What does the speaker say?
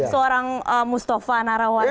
seorang mustafa narawanda